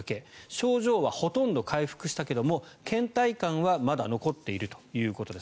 症状はほとんど回復したけどけん怠感はまだ残っているということです。